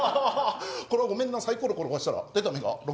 こらごめんなサイコロ転がしたら出た目が６。